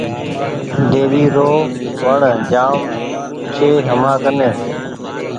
ۮيوي رو وڻ جآم ڇي همآ ڪني